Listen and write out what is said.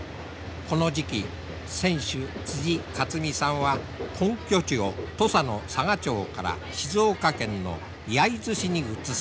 この時期船主一水さんは根拠地を土佐の佐賀町から静岡県の焼津市に移す。